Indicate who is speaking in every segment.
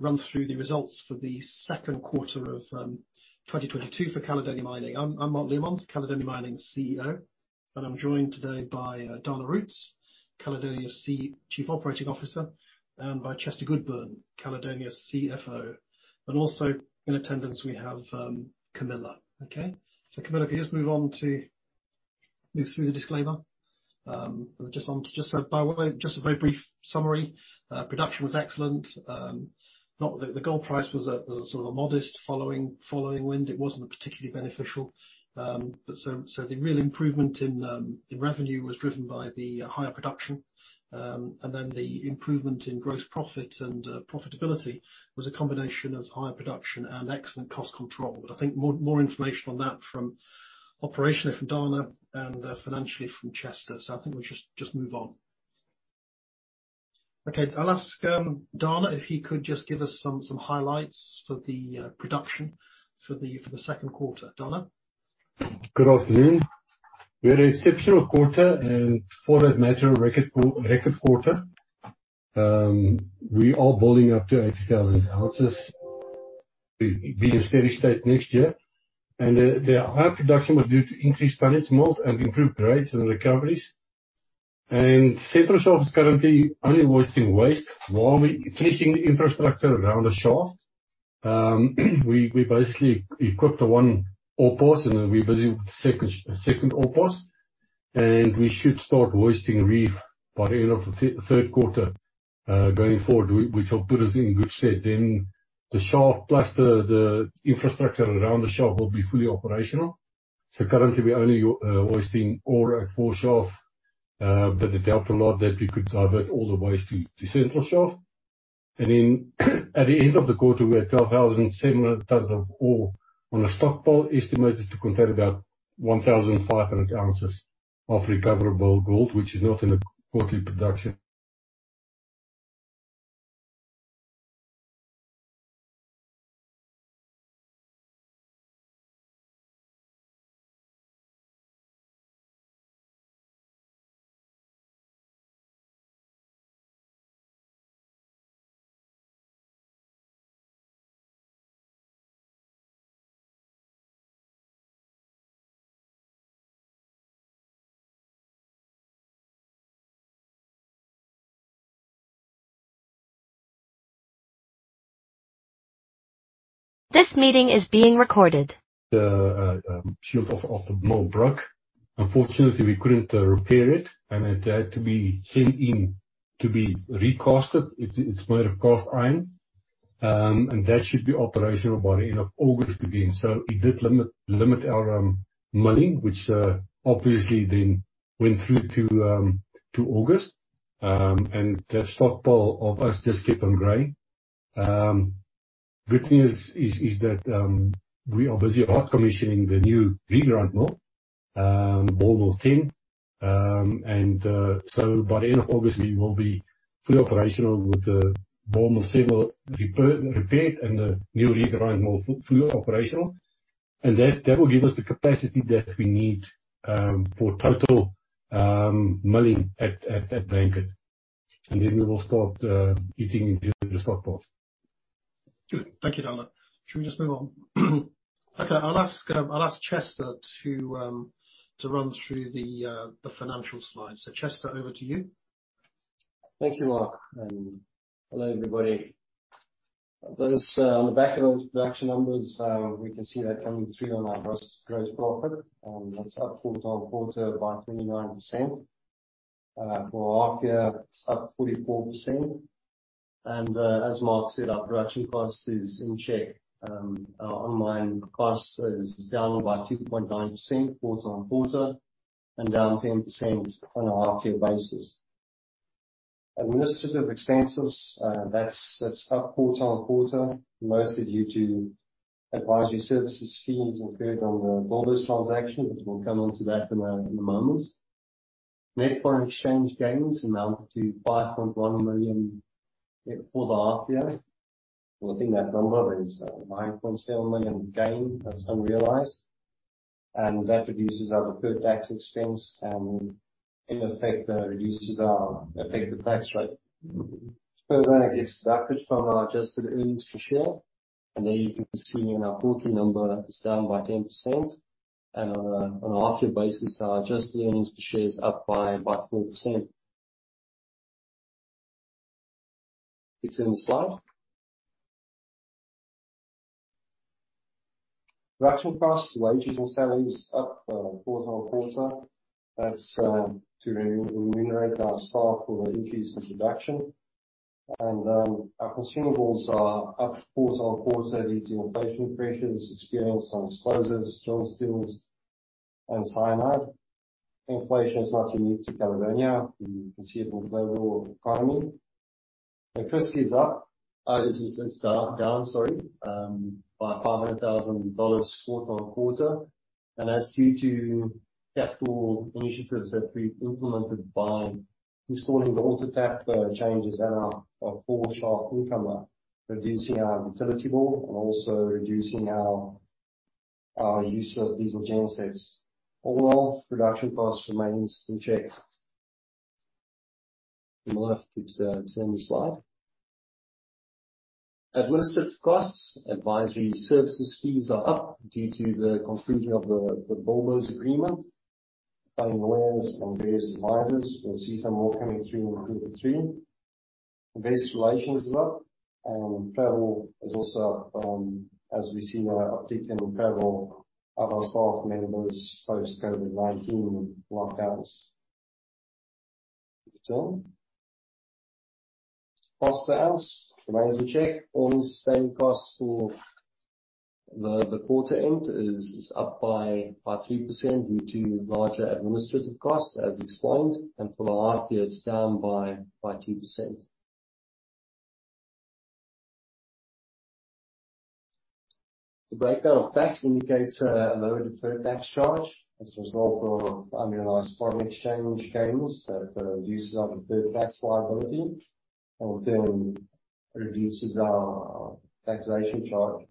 Speaker 1: Run through the results for the second quarter of 2022 for Caledonia Mining. I'm Mark Learmonth, Caledonia Mining's CEO, and I'm joined today by Dana Roets, Caledonia's Chief Operating Officer, and by Chester Goodburn, Caledonia's CFO. Also in attendance we have Camilla. Okay? So Camilla, please move through the disclaimer. Just by the way, a very brief summary. Production was excellent. Not that the gold price was a sort of a modest following wind. It wasn't particularly beneficial. The real improvement in revenue was driven by the higher production. Then the improvement in gross profit and profitability was a combination of higher production and excellent cost control. I think more information on that operationally from Dana and financially from Chester. I think we'll just move on. Okay. I'll ask Dana if he could just give us some highlights for the production for the second quarter. Dana.
Speaker 2: Good afternoon. We had an exceptional quarter and for that matter, record quarter. We are building up to 80,000 ounces to be in steady state next year. The high production was due to increased tonnage mined and improved grades and recoveries. Central Shaft is currently only wasting waste while we finishing the infrastructure around the shaft. We basically equipped the one ore pass and then we're building second ore pass. We should start wasting reef by the end of the third quarter, going forward, which will put us in good stead. The shaft plus the infrastructure around the shaft will be fully operational. Currently we're only wasting ore at Four Shaft. But it helped a lot that we could divert all the waste to Central Shaft. At the end of the quarter, we had 12,700 tons of ore on a stockpile estimated to contain about 1,500 ounces of recoverable gold, which is not in the quarterly production.
Speaker 3: This meeting is being recorded.
Speaker 2: The shield of the mill broke. Unfortunately, we couldn't repair it, and it had to be sent in to be recast. It's made of cast iron. That should be operational by the end of August again. It did limit our milling, which obviously then went through to August. The stockpile of ore just kept on growing. Good news is that we are busy hot commissioning the new regrind mill, Ball Mill 10. By the end of August, we will be fully operational with the Ball Mill 7 repaired and the new regrind mill fully operational. That will give us the capacity that we need for total milling at Blanket. Then we will start eating into the stockpiles.
Speaker 1: Good. Thank you, Dana. Should we just move on? Okay, I'll ask Chester to run through the financial slides. Chester, over to you.
Speaker 4: Thank you, Mark. Hello, everybody. Those on the back of those production numbers, we can see that coming through on our gross profit. That's up quarter-on-quarter by 29%. For half-year it's up 44%. As Mark said, our production cost is in check. Our on-mine cost is down by 2.9% quarter-on-quarter and down 10% on a half-year basis. Administrative expenses, that's up quarter-on-quarter, mostly due to advisory services fees incurred on the Bilboes transaction. We'll come onto that in a moment. Net foreign exchange gains amounted to $5.1 million for the half-year. Within that number is a $9.7 million gain that's unrealized. That reduces our deferred tax expense and in effect reduces our effective tax rate. Further, I guess, that cuts from our adjusted earnings per share. There you can see in our quarterly number that's down by 10%. On a half-year basis, our adjusted earnings per share is up by 4%. You can turn the slide. Production costs, wages and salaries up quarter-on-quarter. That's to remunerate our staff for their increases in production. Our consumables are up quarter-on-quarter due to inflation pressures experienced on explosives, drill steels and cyanide. Inflation is not unique to Caledonia. You can see it with global economy. Electricity is up. This is down by $500,000 quarter-on-quarter. That's due to capital initiatives that we implemented by installing the auto tap changers in our four shaft incomer, reducing our utility bill and also reducing our use of diesel gensets. Overall, production costs remains in check. You might have to turn the slide. Administrative costs. Advisory services fees are up due to the conclusion of the Bilboes agreement, paying lawyers and various advisors. We'll see some more coming through in 2023. Investor relations is up, and travel is also up, as we see an uptick in travel of our staff members post COVID-19 lockdowns. Next one. Cost per ounce remains in check. All-in sustaining costs for the quarter end is up by 3% due to larger administrative costs, as explained, and for the half-year it's down by 2%. The breakdown of tax indicates a lower deferred tax charge as a result of unrealized foreign exchange gains that reduces our deferred tax liability, and in turn reduces our taxation charge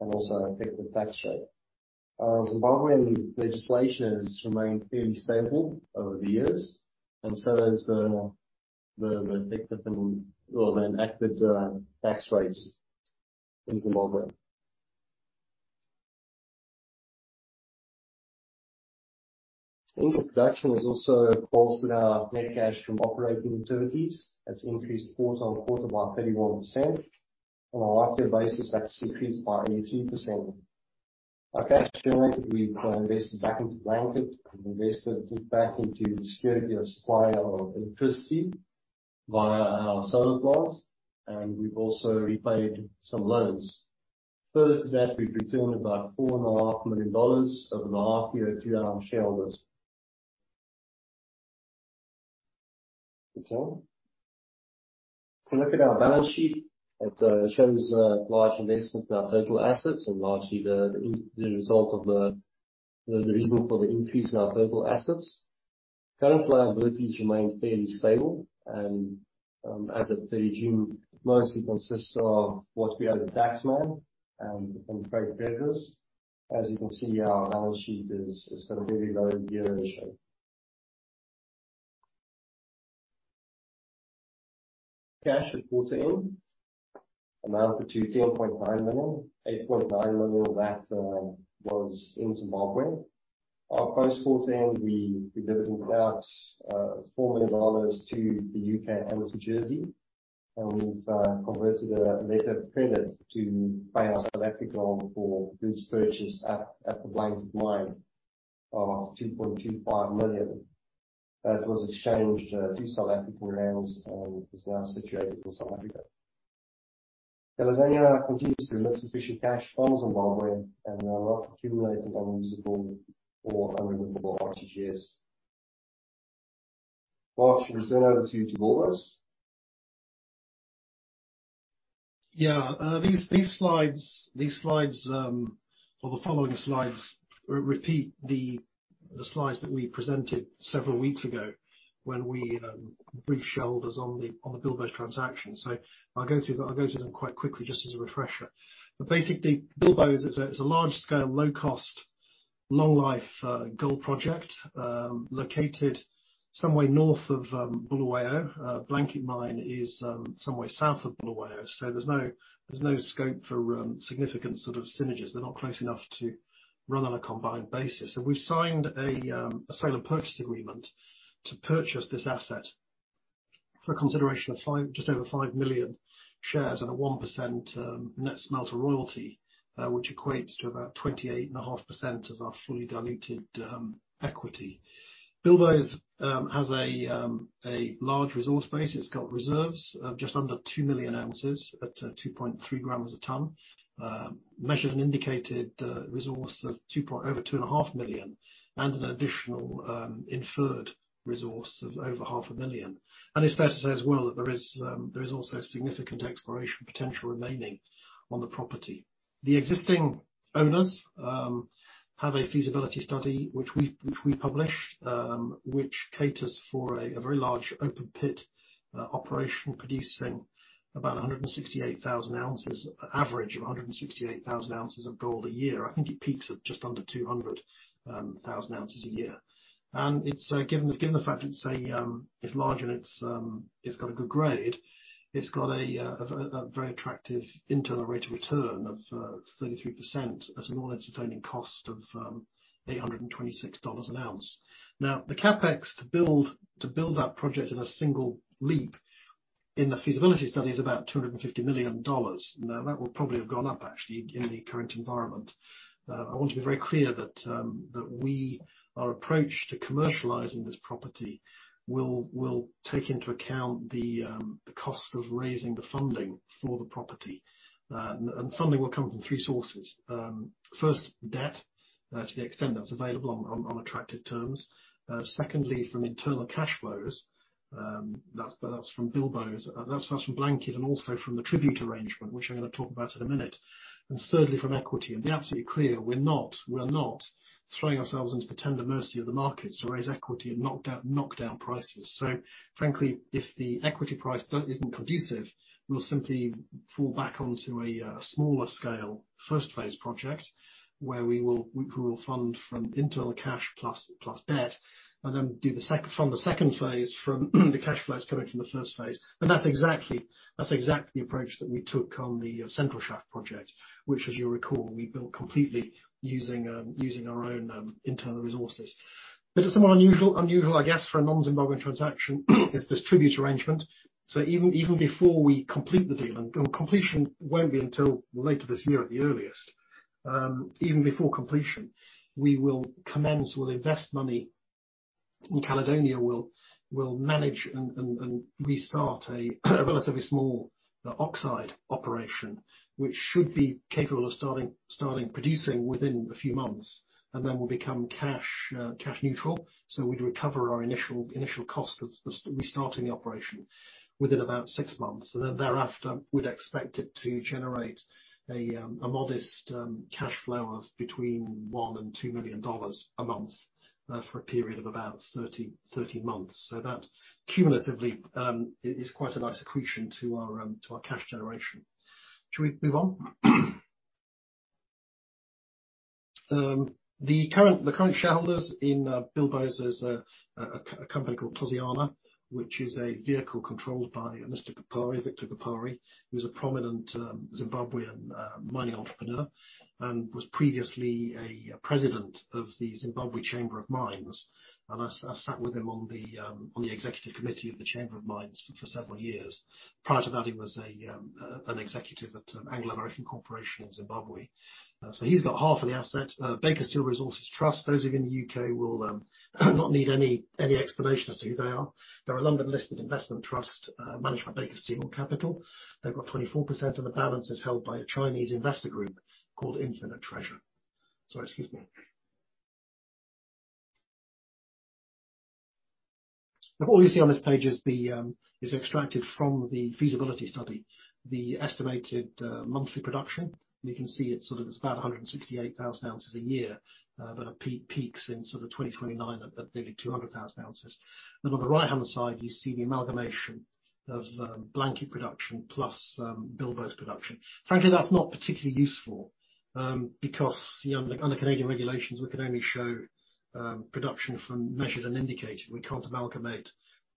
Speaker 4: and also effective tax rate. Zimbabwean legislation has remained fairly stable over the years, and so has the effective or the enacted tax rates in Zimbabwe. Increase in production has also bolstered our net cash from operating activities. That's increased quarter-on-quarter by 31%. On a half-year basis, that's increased by 83%. Our cash generated, we've invested back into Blanket and invested it back into the security of supply of electricity via our solar plants, and we've also repaid some loans. Further to that, we've returned about $4 and a $500, 000 over the half-year through our shareholders. Next one. If we look at our balance sheet, it shows a large investment in our total assets, largely the result of the increase in our total assets. Current liabilities remain fairly stable and, as at 30 June, mostly consists of what we owe the taxman and trade creditors. As you can see, our balance sheet has got a very low gear ratio. Cash at quarter-end amounted to $10.9 million. $8.9 million of that was in Zimbabwe. Post quarter end we dividend out $4 million to The U.K. and to Jersey, and we've converted a letter of credit to pay our South African for goods purchased at the Blanket Mine of $2.25 million. That was exchanged to South African rands and is now situated in South Africa. Sylvania continues to remit sufficient cash from Zimbabwe, and there are no accumulated unusable or unrecoverable RCGs. Mark Learmonth, it's then over to you to bore us.
Speaker 1: Yeah. These slides or the following slides repeat the slides that we presented several weeks ago when we briefed shareholders on the Bilboes transaction. I'll go through them quite quickly just as a refresher. Basically, Bilboes, it's a large scale, low cost, long life gold project located somewhere north of Bulawayo. Blanket Mine is somewhere south of Bulawayo. There's no scope for significant sort of synergies. They're not close enough to run on a combined basis. We've signed a sale and purchase agreement to purchase this asset for a consideration of just over 5 million shares and a 1% net smelter royalty, which equates to about 28.5% of our fully diluted equity. Bilboes has a large resource base. It's got reserves of just under 2 million ounces at 2.3 g a ton. Measured and indicated resource of over 2.5 million, and an additional inferred resource of over half a million. It's fair to say as well that there is also significant exploration potential remaining on the property. The existing owners have a feasibility study which we publish, which caters for a very large open pit operation producing about 168,000 ounces, average of 168,000 ounces of gold a year. I think it peaks at just under 200,000 ounces a year. It's given the fact it's a. It's large and it's got a good grade. It's got a very attractive internal rate of return of 33% at an all-in sustaining cost of $826 an ounce. Now, the CapEx to build that project in a single leap in the feasibility study is about $250 million. Now, that will probably have gone up actually in the current environment. I want to be very clear that our approach to commercializing this property will take into account the cost of raising the funding for the property. Funding will come from three sources. First, debt to the extent that's available on attractive terms. Second, from internal cash flows, that's from Bilboes, that's from Blanket and also from the tribute arrangement, which I'm gonna talk about in a minute. Third, from equity. To be absolutely clear, we're not throwing ourselves into the tender mercy of the markets to raise equity at knock down prices. Frankly, if the equity price isn't conducive, we'll simply fall back onto a smaller scale first phase project where we will fund from internal cash plus debt, and then fund the second phase from the cash flows coming from the first phase. That's exactly the approach that we took on the Central Shaft project, which as you'll recall, we built completely using our own internal resources. It's somewhat unusual, I guess, for a non-Zimbabwean transaction is this tribute arrangement. Even before we complete the deal, and completion won't be until later this year at the earliest, even before completion, we will commence, we'll invest money in Caledonia, we'll manage and restart a relatively small oxide operation, which should be capable of starting producing within a few months and then will become cash neutral. We'd recover our initial cost of restarting the operation within about six months. Then thereafter, we'd expect it to generate a modest cash flow of between $1 million and $2 million a month for a period of about 30 months. That cumulatively is quite a nice accretion to our cash generation. Should we move on? The current shareholders in Bilboes is a company called Toziyana, which is a vehicle controlled by Mr. Gapare, Victor Gapare, who's a prominent Zimbabwean mining entrepreneur, and was previously a president of the Chamber of Mines of Zimbabwe. I sat with him on the executive committee of the Chamber of Mines of Zimbabwe for several years. Prior to that, he was an executive at Anglo American Corporation in Zimbabwe. He's got half of the assets. Baker Steel Resources Trust, those of you in The U.K. will not need any explanation as to who they are. They're a London-listed investment trust managed by Baker Steel Capital. They've got 24%, and the balance is held by a Chinese investor group called Infinite Treasure. Sorry, excuse me. Now, all you see on this page is extracted from the feasibility study. The estimated monthly production, you can see it's sort of about 168,000 ounces a year, but peaks in sort of 2029 at nearly 200,000 ounces. On the right-hand side, you see the amalgamation of Blanket production plus Bilboes production. Frankly, that's not particularly useful, because, you know, under Canadian regulations, we can only show production from measured and indicated. We can't amalgamate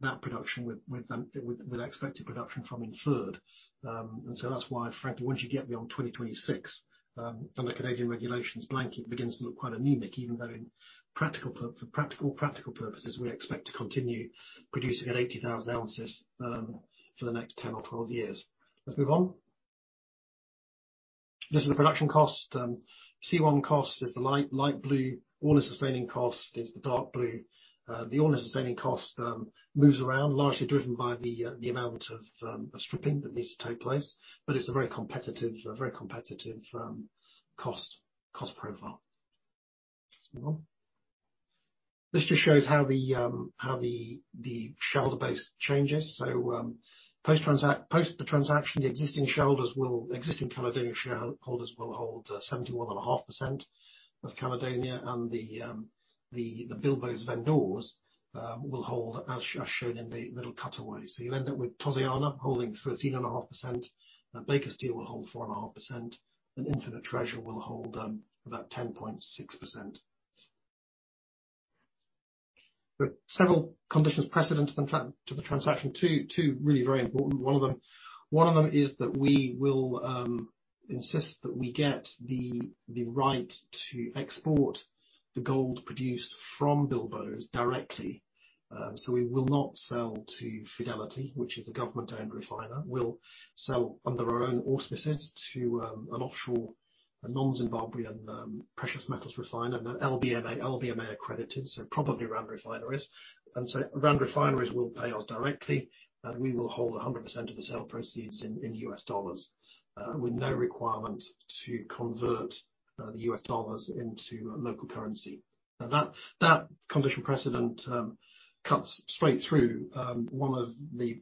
Speaker 1: that production with expected production from inferred. That's why, frankly, once you get beyond 2026, under Canadian regulations, Blanket begins to look quite anemic, even though for practical purposes, we expect to continue producing at 80,000 ounces for the next 10 or 12 years. Let's move on. This is the production cost. C1 cost is the light blue. All-in sustaining cost is the dark blue. The all-in sustaining cost moves around, largely driven by the amount of stripping that needs to take place. But it's a very competitive cost profile. Next slide. This just shows how the shareholder base changes. Post the transaction, the existing shareholders will... Existing Caledonia shareholders will hold 71.5% of Caledonia and the Bilboes vendors will hold as shown in the middle cutaway. You'll end up with Toziyana holding 13.5%, and Baker Steel will hold 4.5%, and Infinite Treasure will hold about 10.6%. There are several Conditions Precedent to the transaction. Two really very important. One of them is that we will insist that we get the right to export the gold produced from Bilboes directly. We will not sell to Fidelity, which is the government-owned refiner. We'll sell under our own auspices to an offshore, non-Zimbabwean precious metals refiner, an LBMA-accredited, so probably Rand Refinery. Rand Refinery will pay us directly, and we will hold 100% of the sale proceeds in US dollars with no requirement to convert the US dollars into a local currency. Now that condition precedent cuts straight through one of the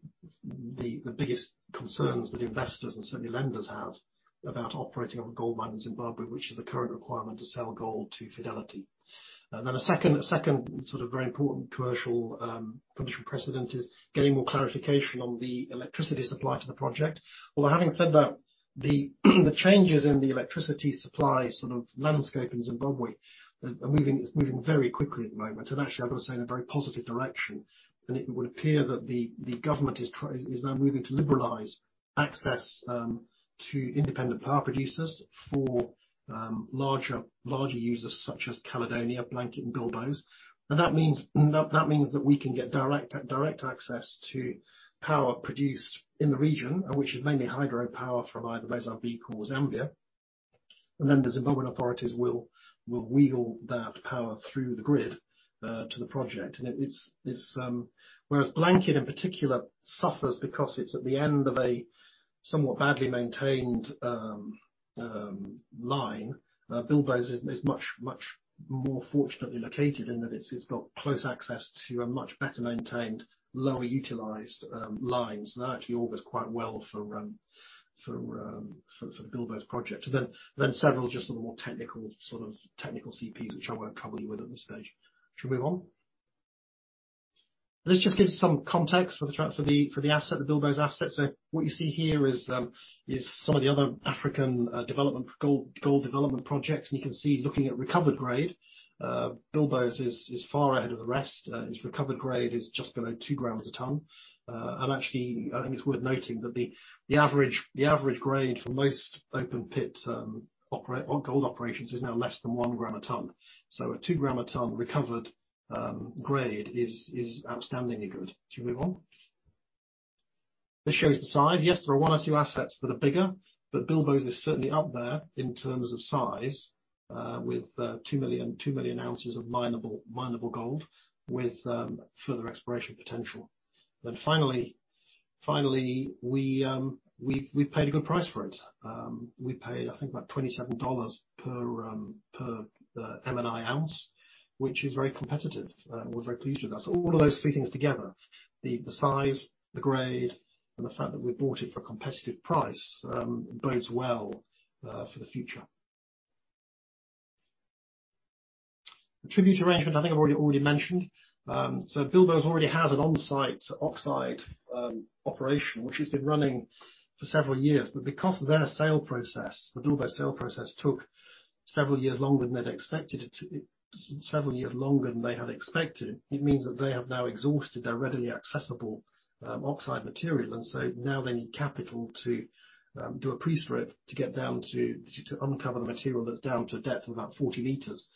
Speaker 1: biggest concerns that investors and certainly lenders have about operating a gold mine in Zimbabwe, which is the current requirement to sell gold to Fidelity. Then a second sort of very important commercial condition precedent is getting more clarification on the electricity supply to the project. Although having said that, the changes in the electricity supply sort of landscape in Zimbabwe are moving very quickly at the moment, and actually, I've got to say, in a very positive direction. It would appear that the government is now moving to liberalize access to independent power producers for larger users such as Caledonia, Blanket, and Bilboes. That means that we can get direct access to power produced in the region, which is mainly hydropower from either Mozambique or Zambia. Then the Zimbabwean authorities will wheel that power through the grid to the project. Whereas Blanket in particular suffers because it's at the end of a somewhat badly maintained line, Bilboes is much more fortunately located in that it's got close access to a much better maintained, lower utilized lines. That actually augurs quite well for Bilboes project. Several just sort of more technical CPs which I won't trouble you with at this stage. Should we move on? This just gives some context for the asset, the Bilboes asset. What you see here is some of the other African development gold development projects. You can see, looking at recovered grade, Bilboes is far ahead of the rest. Its recovered grade is just below 2 g a ton. Actually, I think it's worth noting that the average grade for most open pit or gold operations is now less than 1 g a ton. A 2 g a ton recovered grade is outstandingly good. Should we move on? This shows the size. Yes, there are one or two assets that are bigger, but Bilboes is certainly up there in terms of size, with 2 million ounces of minable gold with further exploration potential. Finally, we paid a good price for it. We paid, I think, about $27 per M&I ounce, which is very competitive. We're very pleased with that. All of those three things together, the size, the grade, and the fact that we bought it for a competitive price, bodes well for the future. The tribute arrangement, I think I've already mentioned. Bilboes already has an on-site oxide operation, which has been running for several years. Because of their sale process, the Bilboes sale process took several years longer than they'd expected it to. Several years longer than they had expected. It means that they have now exhausted their readily accessible oxide material, and now they need capital to do a pre-strip for it to get down to uncover the material that's down to a depth of about 40 meters.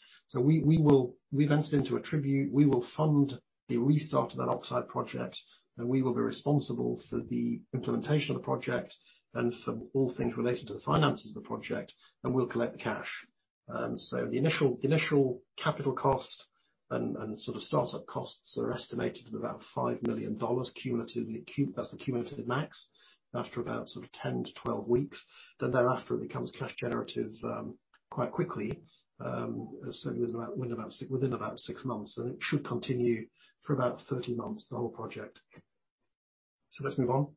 Speaker 1: We've entered into a tribute. We will fund the restart of that oxide project, and we will be responsible for the implementation of the project and for all things relating to the finances of the project, and we'll collect the cash. The initial capital cost and sort of startup costs are estimated at about $5 million cumulatively. That's the cumulative max after about sort of 10 weeks-12 weeks. Then thereafter, it becomes cash generative quite quickly, so within about six months. It should continue for about 30 months, the whole project. Let's move on.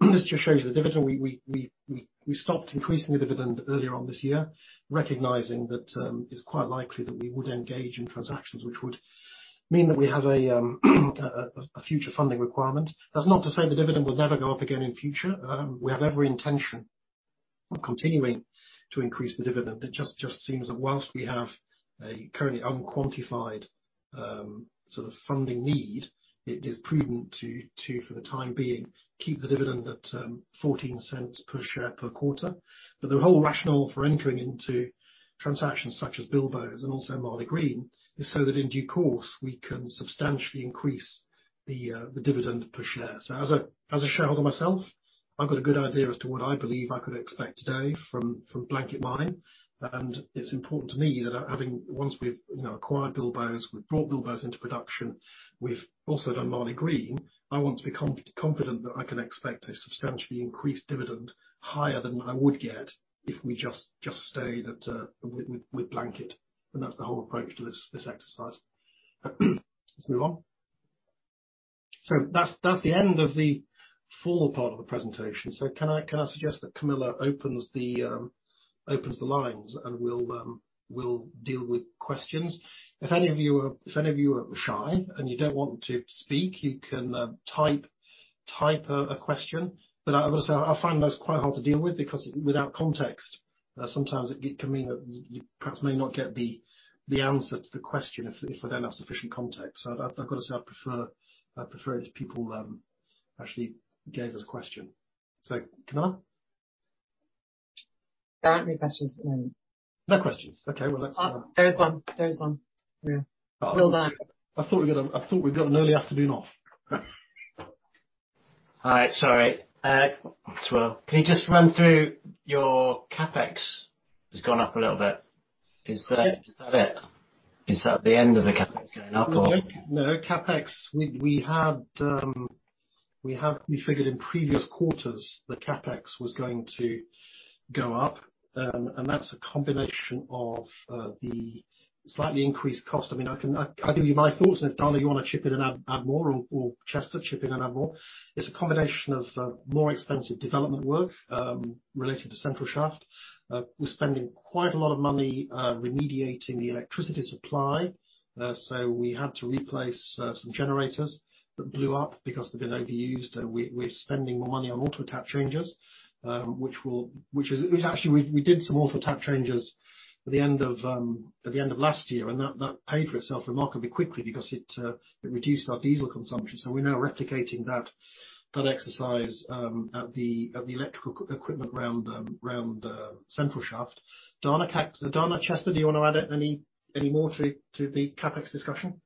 Speaker 1: This just shows you the dividend. We stopped increasing the dividend earlier on this year, recognizing that it's quite likely that we would engage in transactions which would mean that we have a future funding requirement. That's not to say the dividend will never go up again in future. We have every intention of continuing to increase the dividend. It just seems that while we have a currently unquantified sort of funding need, it is prudent to for the time being keep the dividend at $0.14 per share per quarter. The whole rationale for entering into transactions such as Bilboes and also Maligreen is so that in due course we can substantially increase the dividend per share. As a shareholder myself, I've got a good idea as to what I believe I could expect today from Blanket Mine. It's important to me that once we've, you know, acquired Bilboes, we've brought Bilboes into production, we've also done Maligreen, I want to be confident that I can expect a substantially increased dividend higher than what I would get if we just stayed at with Blanket. That's the whole approach to this exercise. Let's move on. That's the end of the formal part of the presentation. Can I suggest that Camilla opens the lines, and we'll deal with questions. If any of you are shy and you don't want to speak, you can type a question. But I've got to say, I find those quite hard to deal with because without context, sometimes it can mean that you perhaps may not get the answer to the question if there's not sufficient context. I've got to say I'd prefer if people actually gave us a question. Camilla?
Speaker 5: There aren't any questions at the moment.
Speaker 1: No questions? Okay. Well,
Speaker 5: Oh, there is one. Yeah.
Speaker 1: Oh.
Speaker 5: Will Dunn.
Speaker 1: I thought we'd got an early afternoon off.
Speaker 6: Hi. Sorry. It's Will. Can you just run through your CapEx has gone up a little bit? Is that the end of the CapEx going up or?
Speaker 1: No. CapEx. We figured in previous quarters that CapEx was going to go up. That's a combination of the slightly increased cost. I mean, I'll give you my thoughts, and if Dana, you wanna chip in and add more or Chester, chip in and add more. It's a combination of more expensive development work related to central shaft. We're spending quite a lot of money remediating the electricity supply. We had to replace some generators that blew up because they've been overused. We're spending more money on auto tap changers, which is. Which actually we did some auto tap changers at the end of last year, and that paid for itself remarkably quickly because it reduced our diesel consumption. We're now replicating that exercise at the electrical equipment around central shaft. Dana, Chester, do you wanna add any more to the CapEx discussion?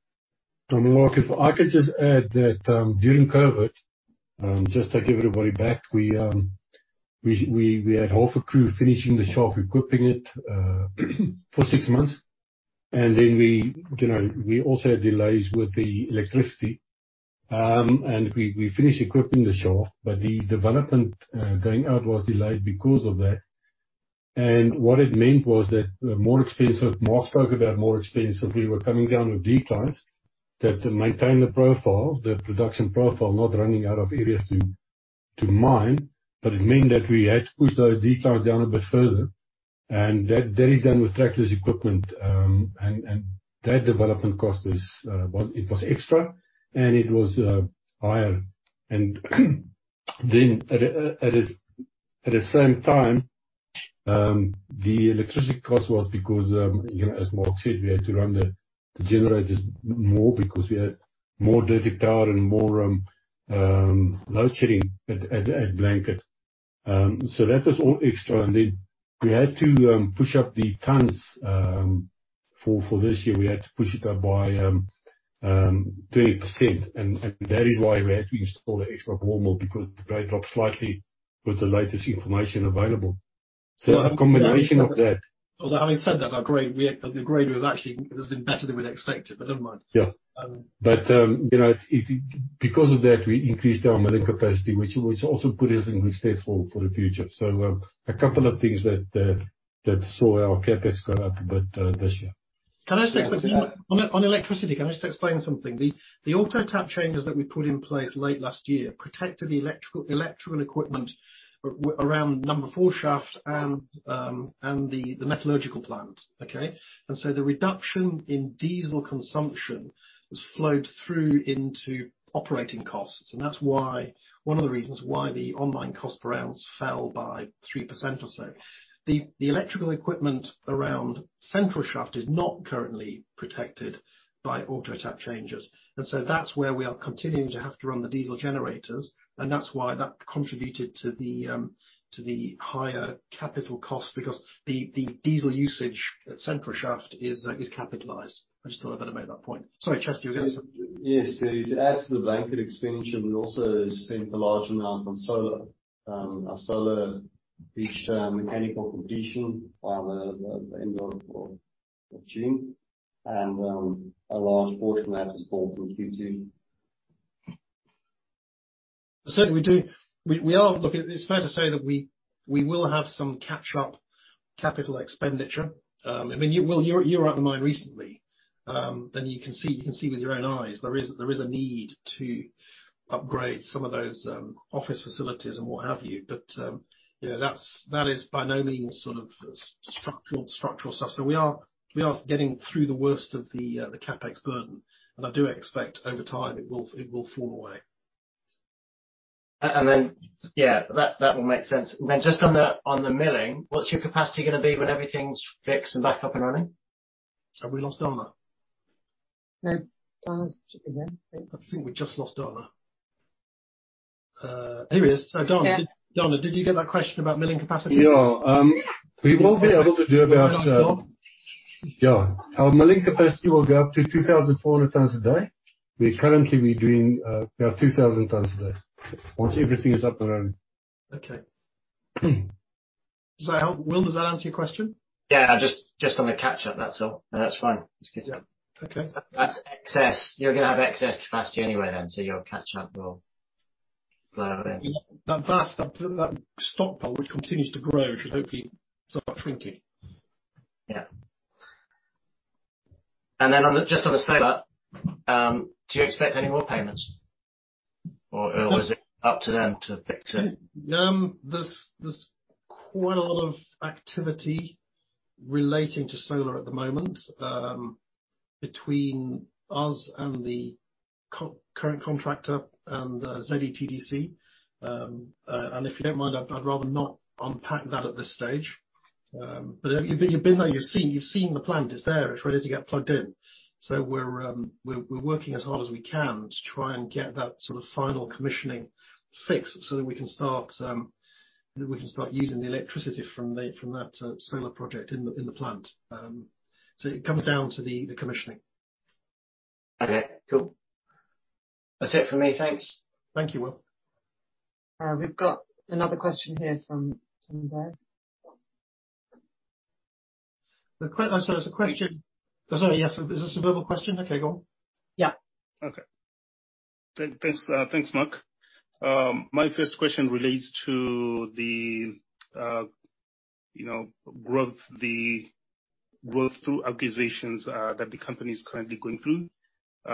Speaker 2: I mean, Mark, if I could just add that, during COVID, just to give everybody background, we had half a crew finishing the shaft, equipping it, for six months. We also had delays with the electricity. We finished equipping the shaft, but the development going on was delayed because of that. What it meant was that more expensive. Mark spoke about more expensive. We were coming down with declines that maintain the profile, the production profile, not running out of areas to mine. It meant that we had to push those declines down a bit further, and that is done with trackless equipment. That development cost is, well, it was extra, and it was higher. At the same time, the electricity cost was because, you know, as Mark said, we had to run the generators more because we had more dirty power and more load shedding at Blanket. That was all extra. We had to push up the tons. For this year, we had to push it up by 30% and that is why we had to install an extra ball mill because the grade dropped slightly with the latest information available.
Speaker 1: Well, I mean.
Speaker 2: A combination of that.
Speaker 1: Although having said that, it has been better than we expected, but never mind.
Speaker 2: Yeah.
Speaker 1: Um-
Speaker 2: You know, because of that, we increased our milling capacity, which also put us in good stead for the future. A couple of things that saw our CapEx go up a bit this year.
Speaker 1: Can I say quickly?
Speaker 5: Yeah.
Speaker 1: On the electricity, can I just explain something? The auto tap changers that we put in place late last year protected the electrical equipment around number four shaft and the metallurgical plant. Okay? The reduction in diesel consumption has flowed through into operating costs, and that's why one of the reasons why the on-mine cost per ounce fell by 3% or so. The electrical equipment around central shaft is not currently protected by auto tap changers, and so that's where we are continuing to have to run the diesel generators, and that's why that contributed to the higher capital cost because the diesel usage at central shaft is capitalized. I just thought I'd better make that point. Sorry, Chester, you had something.
Speaker 4: Yes. To add to the Blanket expenditure, we also spent a large amount on solar. Our solar reached mechanical completion by the end of June. A large portion of that was bought from QT.
Speaker 1: Certainly we do. It's fair to say that we will have some catch-up capital expenditure. I mean, well, you were at the mine recently, and you can see with your own eyes there is a need to upgrade some of those office facilities and what have you. You know, that is by no means sort of structural stuff. We are getting through the worst of the CapEx burden, and I do expect over time it will fall away.
Speaker 6: Yeah, that would make sense. Just on the milling, what's your capacity gonna be when everything's fixed and back up and running?
Speaker 1: Have we lost Dana?
Speaker 5: No, Dana's just checking in.
Speaker 1: I think we just lost Dana. Here he is.
Speaker 5: Yeah.
Speaker 1: Dana, did you get that question about milling capacity?
Speaker 2: Yeah, we will be able to do about.
Speaker 1: You're back, Dana.
Speaker 2: Yeah. Our milling capacity will go up to 2,400 tons a day. Currently, we're doing about 2,000 tons a day, once everything is up and running.
Speaker 1: Okay. Does that help? Will, does that answer your question?
Speaker 6: Yeah, just on the catch up, that's all. No, that's fine. It's good to know.
Speaker 1: Okay.
Speaker 6: That's excess. You're gonna have excess capacity anyway then, so your catch up will flow then.
Speaker 1: That vast stockpile which continues to grow should hopefully start shrinking.
Speaker 6: Yeah. Just on a solar, do you expect any more payments or is it up to them to fix it?
Speaker 1: There's quite a lot of activity relating to solar at the moment, between us and the EPC contractor and ZETDC. If you don't mind, I'd rather not unpack that at this stage. You've been there, you've seen the plant. It's there. It's ready to get plugged in. We're working as hard as we can to try and get that sort of final commissioning fixed so that we can start using the electricity from that solar project in the plant. It comes down to the commissioning.
Speaker 6: Okay. Cool. That's it from me. Thanks.
Speaker 1: Thank you, Will.
Speaker 5: We've got another question here from someone there.
Speaker 1: Oh, sorry. There's a question. Oh, sorry, yes. Is this a verbal question? Okay, go on.
Speaker 5: Yeah.
Speaker 7: Okay. Thanks, Mark. My first question relates to the, you know, growth through acquisitions that the company is currently going through.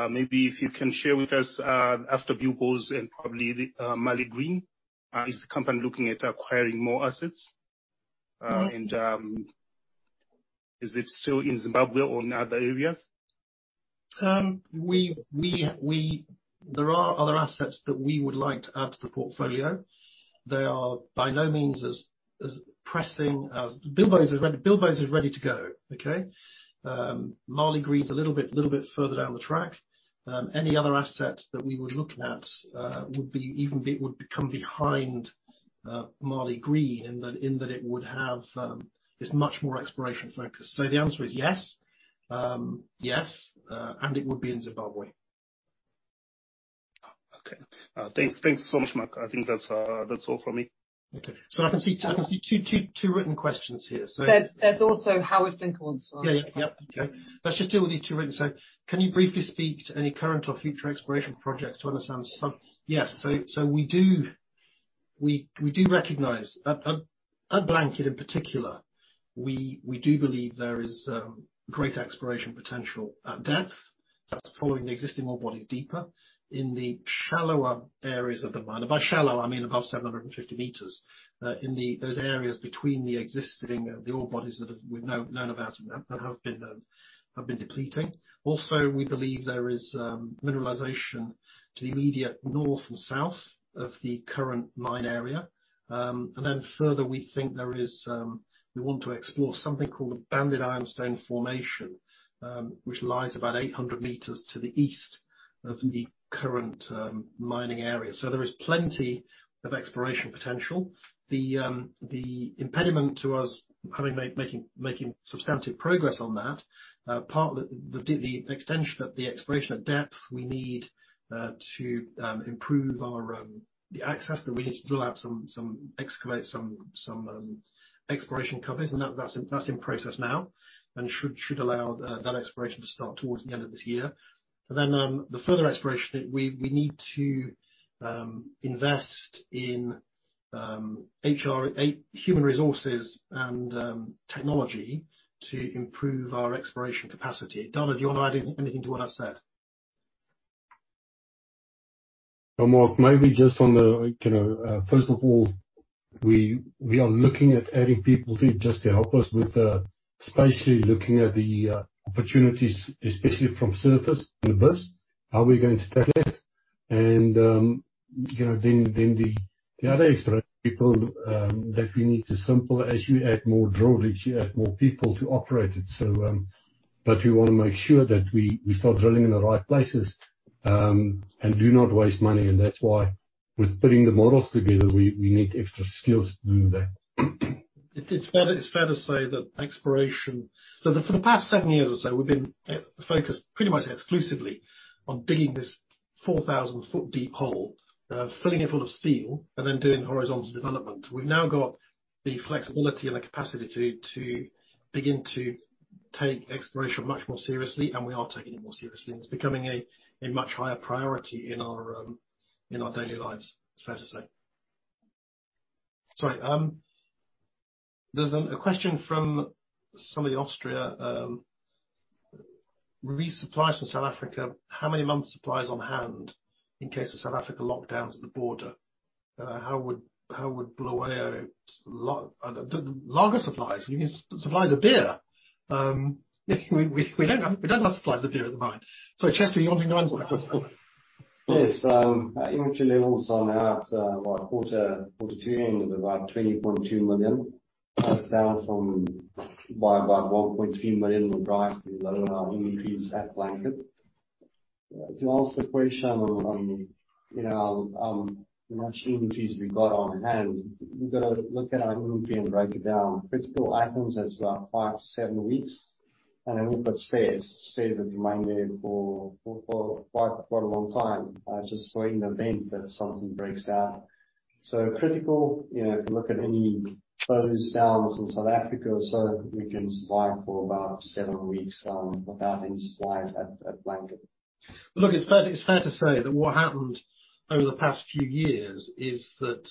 Speaker 7: Maybe if you can share with us, after Bilboes and probably the Maligreen, is the company looking at acquiring more assets?
Speaker 5: Mm-hmm.
Speaker 7: Is it still in Zimbabwe or in other areas?
Speaker 1: There are other assets that we would like to add to the portfolio. They are by no means as pressing as Bilboes is ready to go, okay? Maligreen's a little bit further down the track. Any other asset that we would look at would come behind Maligreen in that it would have, it's much more exploration focused. The answer is yes, and it would be in Zimbabwe.
Speaker 7: Oh, okay. Thanks so much, Mark. I think that's all from me.
Speaker 1: Okay. I can see two written questions here.
Speaker 5: There's also Howard Flinker wants to ask a question.
Speaker 1: Yeah, yeah. Yep. Okay. Let's just deal with these two written. Can you briefly speak to any current or future exploration projects to understand some? Yes. We do recognize. At Blanket in particular, we do believe there is great exploration potential at depth. That's following the existing ore bodies deeper. In the shallower areas of the mine, and by shallow, I mean above 750 meters, in those areas between the existing ore bodies that we've now known about and have been depleting. We believe there is mineralization to the immediate north and south of the current mine area. Further, we want to explore something called the banded ironstone formation, which lies about 800 meters to the east of the current mining area. There is plenty of exploration potential. The impediment to us making substantive progress on that, the extension of the exploration of depth, we need to improve our access that we need to excavate some exploration covers, and that's in process now, and should allow that exploration to start towards the end of this year. The further exploration that we need to invest in HR, i.e., human resources and technology to improve our exploration capacity. Dana, do you wanna add anything to what I've said?
Speaker 2: No, Mark. Maybe just on the, you know, first of all, we are looking at adding people just to help us with, especially looking at the opportunities, especially from surface and the bush, how we're going to tackle it. You know, then the other exploration people that we need to sample. As you add more drill rigs, you add more people to operate it, so but we wanna make sure that we start drilling in the right places and do not waste money. That's why with putting the models together, we need extra skills to do that.
Speaker 1: It's fair to say that exploration for the past seven years or so, we've been focused pretty much exclusively on digging this 4,000-foot deep hole, filling it full of steel, and then doing horizontal development. We've now got the flexibility and the capacity to begin to take exploration much more seriously, and we are taking it more seriously, and it's becoming a much higher priority in our daily lives, it's fair to say. Sorry. There's a question from somebody in Austria. Resupplies from South Africa, how many months' supplies on hand in case of South Africa lockdowns at the border? How would larger supplies. You mean supplies of beer? We don't have supplies of beer at the mine. Sorry, Chester, you wanting to answer that one?
Speaker 4: Yes. Our inventory levels are now at quarter two end of about $3.2 million. That's down by about $1.2 million on the price, including our inventories at Blanket. To answer the question on you know how much inventories we've got on hand, we've gotta look at our inventory and break it down. Critical items is five to seven weeks, and then we've got spares. Spares that remain there for quite a long time just in the event that something breaks down. Critical you know if you look at any close downs in South Africa or so, we can supply for about seven weeks without any supplies at Blanket.
Speaker 1: Look, it's fair to say that what happened over the past few years is that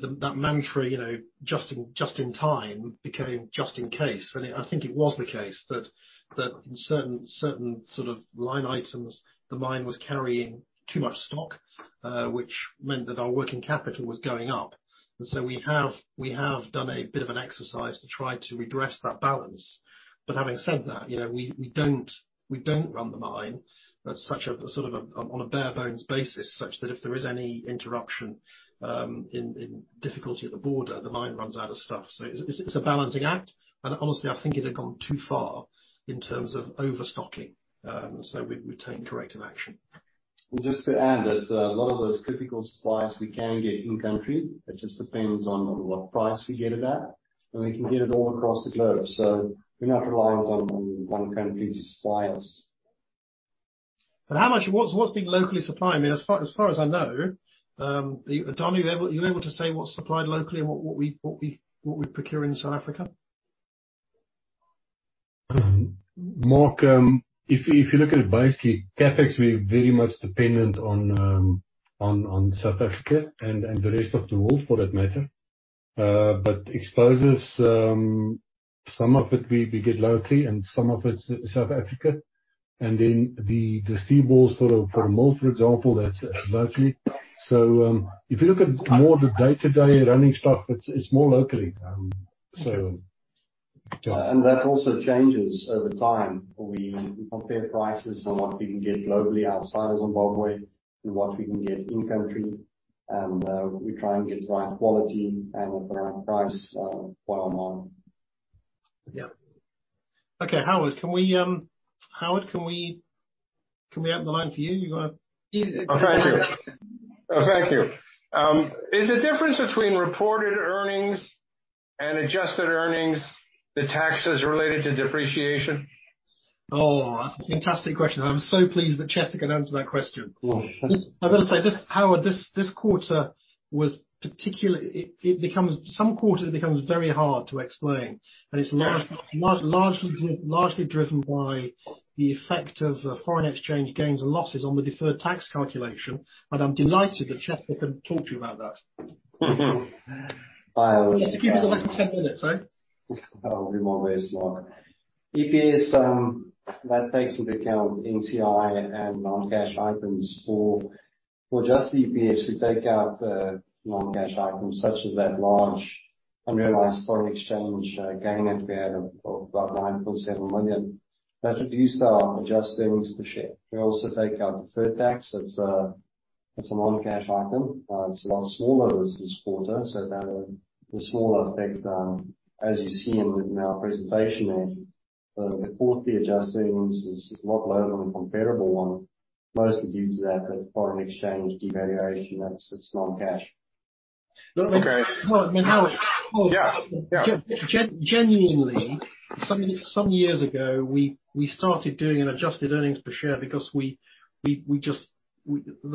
Speaker 1: that mantra, you know, just in time became just in case. I think it was the case that in certain sort of line items, the mine was carrying too much stock, which meant that our working capital was going up. We have done a bit of an exercise to try to redress that balance. Having said that, you know, we don't run the mine at such a sort of on a bare bones basis, such that if there is any interruption in difficulty at the border, the mine runs out of stuff. It's a balancing act. Honestly, I think it had gone too far in terms of overstocking. We've taken corrective action.
Speaker 4: Well, just to add that a lot of those critical supplies we can get in-country. It just depends on what price we get it at. We can get it all across the globe. We're not reliant on one country to supply us.
Speaker 1: How much? What's being locally supplied? I mean, as far as I know, Dana, are you able to say what's supplied locally and what we procure in South Africa?
Speaker 2: Mark, if you look at it, basically, CapEx, we're very much dependent on South Africa and the rest of the world for that matter. Explosives, some of it we get locally and some of it's South Africa. The steel balls for the mill, for example, that's locally. If you look at more the day-to-day running stuff, it's more locally. Yeah.
Speaker 4: That also changes over time. We compare prices on what we can get globally outside of Zimbabwe and what we can get in-country. We try and get the right quality and at the right price, while mining.
Speaker 1: Yeah. Okay, Howard, can we open the line for you? You wanna-
Speaker 8: Oh, thank you. Is the difference between reported earnings and adjusted earnings, the taxes related to depreciation?
Speaker 1: Oh, that's a fantastic question. I'm so pleased that Chester can answer that question.
Speaker 4: Cool.
Speaker 1: I've gotta say this, Howard. This quarter was particularly. Some quarters it becomes very hard to explain. It's largely driven by the effect of foreign exchange gains and losses on the deferred tax calculation. I'm delighted that Chester can talk to you about that.
Speaker 4: I'll-
Speaker 1: You need to keep it below 10 minutes, eh?
Speaker 4: That would be my best, Mark. EPS, that takes into account NCI and non-cash items. For adjusted EPS, we take out non-cash items such as that large underlying foreign exchange gain that we had of about $9.7 million. That reduced our adjusted earnings per share. We also take out deferred tax. It's a non-cash item. It's a lot smaller this quarter, so it had a smaller effect, as you see in our presentation there. The Q4 adjusted earnings is a lot lower than the comparable one, mostly due to that foreign exchange devaluation. That's it non-cash.
Speaker 8: Okay.
Speaker 1: Well, I mean, Howard.
Speaker 8: Yeah, yeah.
Speaker 1: Genuinely, some years ago, we started doing an adjusted earnings per share because there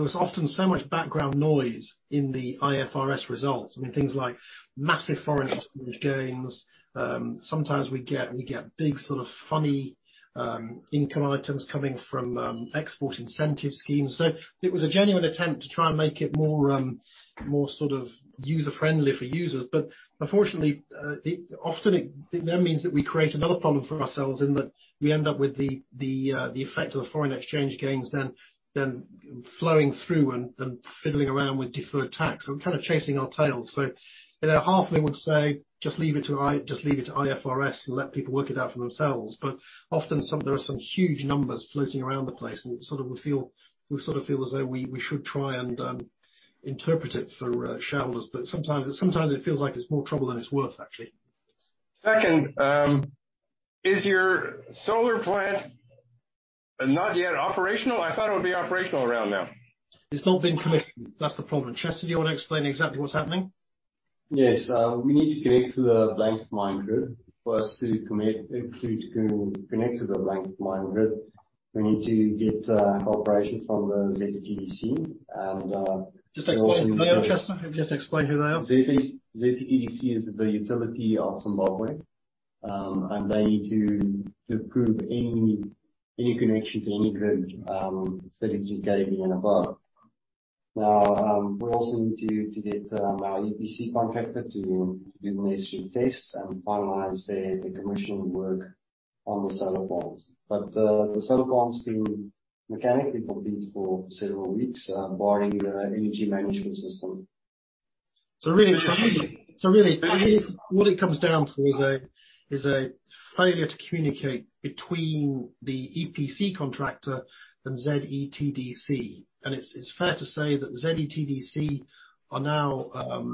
Speaker 1: was often so much background noise in the IFRS results. I mean, things like massive foreign exchange gains. Sometimes we get big sort of funny income items coming from export incentive schemes. It was a genuine attempt to try and make it more sort of user-friendly for users. But unfortunately, it often then means that we create another problem for ourselves in that we end up with the effect of the foreign exchange gains then flowing through and then fiddling around with deferred tax. We're kind of chasing our tails. You know, half of me would say, "Just leave it to IFRS and let people work it out for themselves." Often there are some huge numbers floating around the place, and sort of we feel we should try and interpret it for shareholders. Sometimes it feels like it's more trouble than it's worth, actually.
Speaker 8: Second, is your solar plant not yet operational? I thought it would be operational around now.
Speaker 1: It's not been commissioned. That's the problem. Chester, do you wanna explain exactly what's happening?
Speaker 4: Yes. We need to connect to the national grid. For us to commit to connect to the national grid, we need to get cooperation from the ZETDC. We also need to-
Speaker 1: Just explain who they are, Chester. Just explain who they are.
Speaker 4: ZETDC is the utility of Zimbabwe. They need to approve any connection to any grid that is carrying above. Now, we also need to get our EPC contractor to do the necessary tests and finalize the commissioning work on the solar plant. The solar plant's been mechanically complete for several weeks, barring the energy management system.
Speaker 1: Really what it comes down to is a failure to communicate between the EPC contractor and ZETDC. It's fair to say that ZETDC are now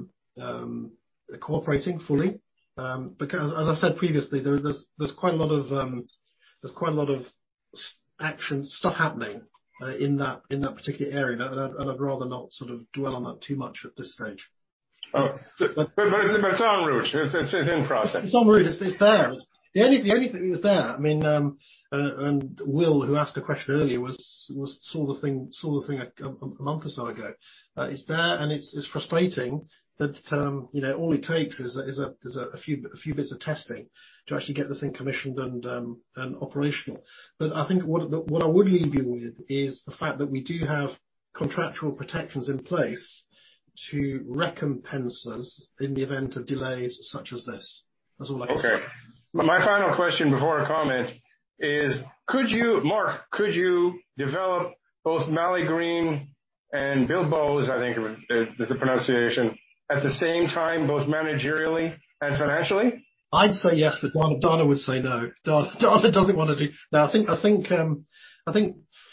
Speaker 1: cooperating fully. Because as I said previously, there's quite a lot of sanction stuff happening in that particular area, and I'd rather not sort of dwell on that too much at this stage.
Speaker 8: Oh. It's en route. It's in process.
Speaker 1: It's en route. It's there. The only thing is there, I mean, and Will, who asked a question earlier, saw the thing a month or so ago. It's there, and it's frustrating that, you know, all it takes is a few bits of testing to actually get the thing commissioned and operational. I think what I would leave you with is the fact that we do have contractual protections in place to recompense us in the event of delays such as this. That's all I can say.
Speaker 8: Okay. My final question before a comment is, could you, Mark, could you develop both Maligreen and Bilboes, I think it was, is the pronunciation, at the same time, both managerially and financially?
Speaker 1: I'd say yes, but Dana would say no. No, I think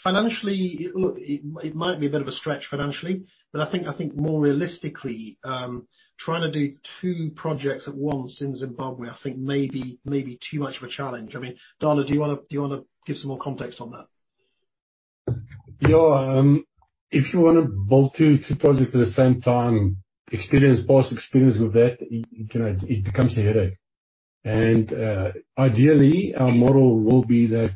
Speaker 1: financially, it might be a bit of a stretch financially, but I think more realistically, trying to do two projects at once in Zimbabwe, I think may be too much of a challenge. I mean, Dana, do you wanna give some more context on that?
Speaker 2: Yeah, if you wanna build two projects at the same time, past experience with that, you know, it becomes a headache. Ideally, our model will be that,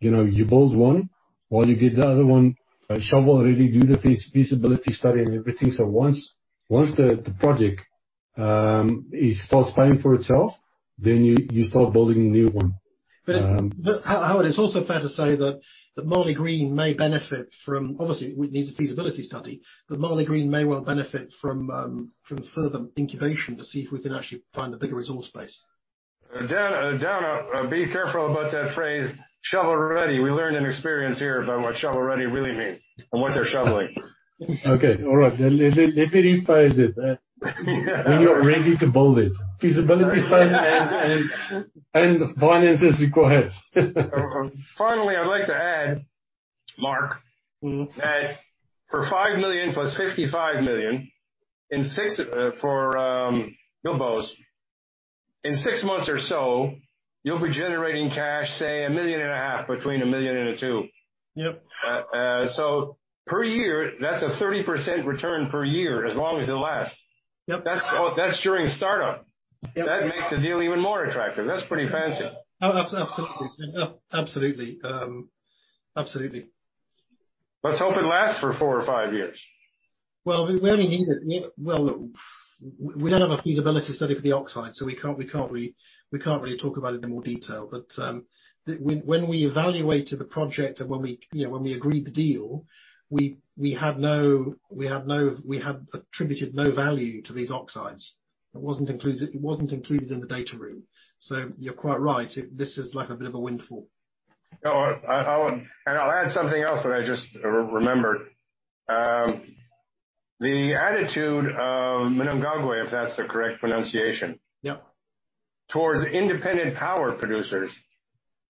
Speaker 2: you know, you build one while you get the other one shovel ready, do the feasibility study and everything. Once the project starts paying for itself, then you start building a new one.
Speaker 1: Howard, it's also fair to say that Maligreen may benefit from. Obviously, we'd need a feasibility study, but Maligreen may well benefit from further incubation to see if we can actually find a bigger resource base.
Speaker 8: Dana, be careful about that phrase, "shovel ready." We learned an experience here about what shovel ready really means and what they're shoveling.
Speaker 2: Okay. All right. Let me rephrase it. When you're ready to build it. Feasibility study and finances, you go ahead.
Speaker 8: Finally, I'd like to add, Mark.
Speaker 1: Mm-hmm.
Speaker 8: That for $5 million + $55 million, in 6 months or so for Bilboes, you'll be generating cash, say $1.5 million, between $1 million and $2 million.
Speaker 1: Yep.
Speaker 8: per year, that's a 30% return per year as long as it lasts.
Speaker 1: Yep.
Speaker 8: That's during startup.
Speaker 1: Yep.
Speaker 8: That makes the deal even more attractive. That's pretty fancy.
Speaker 1: Oh, absolutely.
Speaker 8: Let's hope it lasts for four or five years.
Speaker 1: Well, we only need it. Well, look, we don't have a feasibility study for the oxide, so we can't really talk about it in more detail. When we evaluated the project and when we, you know, when we agreed the deal, we had attributed no value to these oxides. It wasn't included in the data room. You're quite right. This is like a bit of a windfall.
Speaker 8: No, I'll add something else that I just re-remembered. The attitude of Mnangagwa, if that's the correct pronunciation.
Speaker 1: Yep.
Speaker 8: towards independent power producers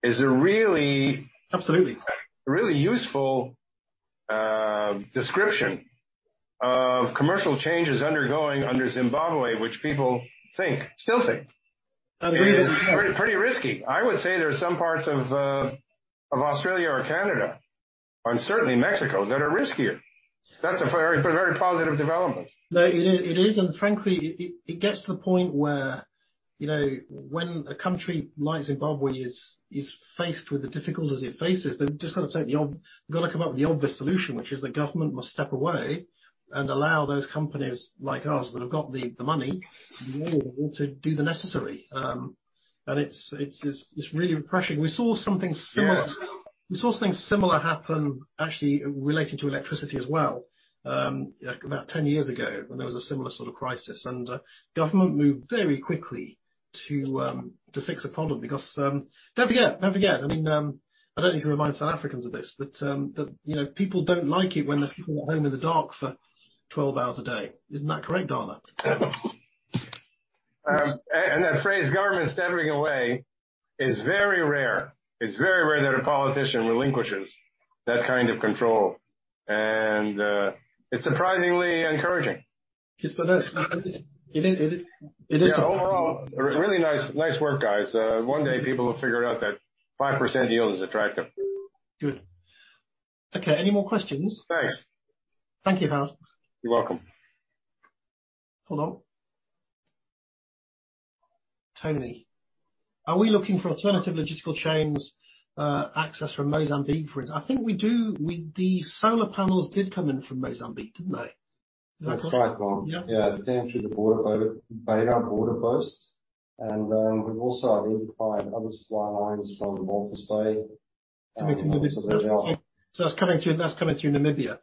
Speaker 8: is a really
Speaker 1: Absolutely.
Speaker 8: Really useful description of commercial changes undergoing under Zimbabwe, which people still think.
Speaker 1: I believe it's true.
Speaker 8: Pretty risky. I would say there are some parts of Australia or Canada, and certainly Mexico, that are riskier. That's a very, very positive development.
Speaker 1: No, it is. Frankly, it gets to the point where, you know, when a country like Zimbabwe is faced with the difficulties it faces. They've just gotta come up with the obvious solution, which is the government must step away and allow those companies like ours that have got the money and the will to do the necessary. It's really refreshing. We saw something similar.
Speaker 8: Yeah.
Speaker 1: We saw something similar happen actually relating to electricity as well, about 10 years ago when there was a similar sort of crisis. Government moved very quickly to fix the problem because, don't forget, I mean, I don't need to remind South Africans of this, that you know, people don't like it when there's people at home in the dark for 12 hours a day. Isn't that correct, Dana?
Speaker 8: That phrase, government stepping away, is very rare. It's very rare that a politician relinquishes that kind of control, and it's surprisingly encouraging.
Speaker 1: It is encouraging.
Speaker 8: Yeah. Overall, really nice. Nice work, guys. One day people will figure out that 5% yield is attractive.
Speaker 1: Good. Okay, any more questions?
Speaker 8: Thanks.
Speaker 1: Thank you, Howard.
Speaker 8: You're welcome.
Speaker 1: Hold on. Tony, are we looking for alternative logistical chains, access from Mozambique, for instance? I think we do. The solar panels did come in from Mozambique, didn't they?
Speaker 9: That's correct, Mark.
Speaker 1: Yeah.
Speaker 9: Yeah. They came through the border by the Beira Border Post. We've also identified other supply lines from Walvis Bay coming into Namibia.
Speaker 1: That's coming through Namibia.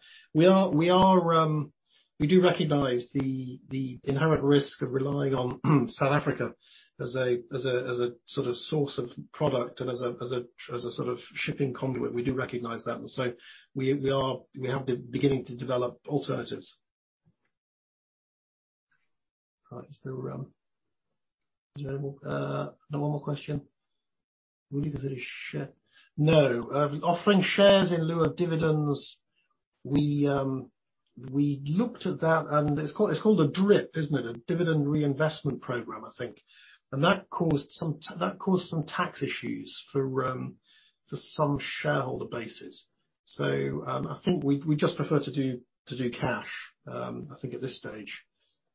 Speaker 1: We do recognize the inherent risk of relying on South Africa as a sort of source of product and as a sort of shipping conduit. We do recognize that. We are beginning to develop alternatives. All right. Is there any more, no, one more question. Will you consider offering shares in lieu of dividends, we looked at that and it's called a DRIP, isn't it? A dividend reinvestment program, I think. That caused some tax issues for some shareholder bases. I think we just prefer to do cash, I think at this stage.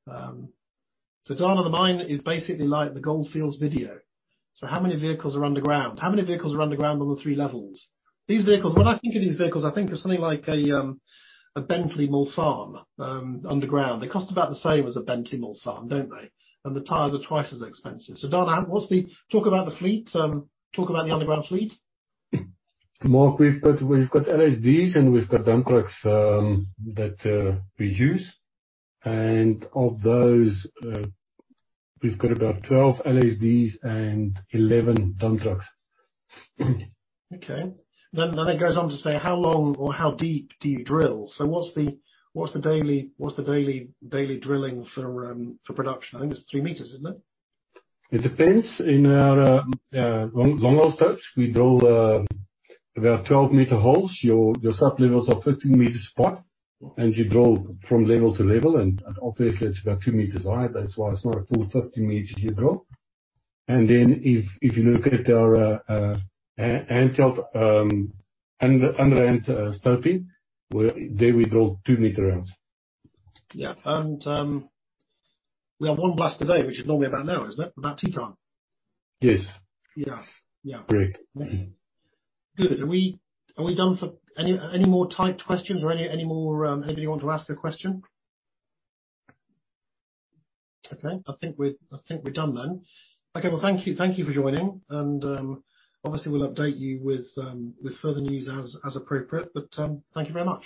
Speaker 1: Dana, the mine is basically like the Gold Fields video. How many vehicles are underground? How many vehicles are underground on the three levels? These vehicles. When I think of these vehicles, I think of something like a Bentley Mulsanne underground. They cost about the same as a Bentley Mulsanne, don't they? The tires are twice as expensive. Dana, talk about the fleet, talk about the underground fleet.
Speaker 2: Mark, we've got LHDs and dump trucks that we use. Of those, we've got about 12 LHDs and 11 dump trucks.
Speaker 1: Okay. It goes on to say how long or how deep do you drill? What's the daily drilling for production? I think it's three meters, isn't it?
Speaker 2: It depends. In our long hole stopes, we drill about 12-meter holes. Your sublevels are 15 meters apart, and you drill from level to level and obviously it's about 2 meters high, that's why it's not a full 15 meters you drill. If you look at our hand-held underhand stoping, they will drill 2-meter rounds.
Speaker 1: Yeah. We have one blast a day, which is normally about now, isn't it? About tea time.
Speaker 2: Yes.
Speaker 1: Yes. Yeah.
Speaker 2: Break.
Speaker 1: Good. Are we done? Any more typed questions or anybody want to ask a question? Okay. I think we're done then. Okay. Well, thank you. Thank you for joining and obviously we'll update you with further news as appropriate. Thank you very much.